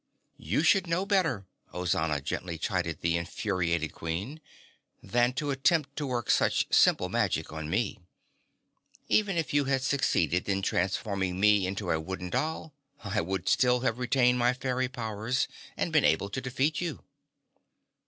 "You should know better," Ozana gently chided the infuriated Queen, "than to attempt to work such simple magic on me. Even if you had succeeded in transforming me into a wooden doll, I would still have retained my fairy powers and been able to defeat you."